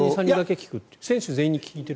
選手全員に聞いてる？